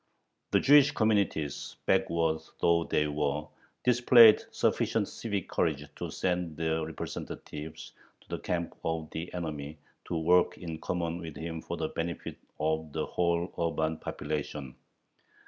The Jewish communities, backward though they were, displayed sufficient civic courage to send their representatives to the camp of the enemy to work in common with him for the benefit of the whole urban population.